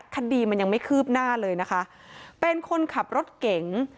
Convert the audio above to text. คดีมันยังไม่คืบหน้าเลยนะคะเป็นคนขับรถเก๋ง